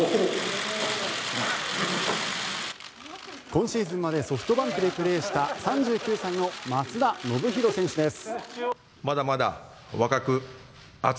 今シーズンまでソフトバンクでプレーした３９歳の松田宣浩選手です。